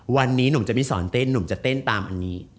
วันนี้หนุ่มจะไม่สอนเต้นหนุ่มจะเต้นตามอันนี้